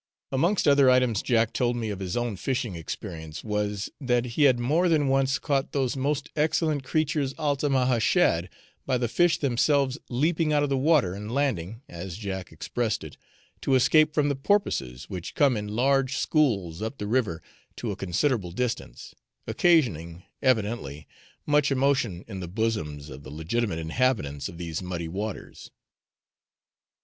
Amongst other items Jack told me of his own fishing experience was, that he had more than once caught those most excellent creatures Altamaha shad by the fish themselves leaping out of the water and landing, as Jack expressed it, to escape from the porpoises, which come in large schools up the river to a considerable distance, occasioning, evidently, much emotion in the bosoms of the legitimate inhabitants of these muddy waters.